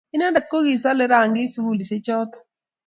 Inendet ne kisalei rangiik sugulisyekcho.